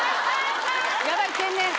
ヤバい天然。